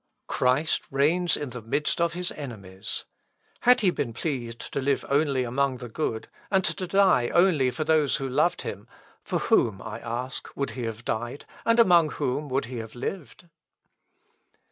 Christ reigns in the midst of his enemies. Had he been pleased to live only among the good, and to die only for those who loved him, for whom, I ask, would he have died, and among whom would he have lived?"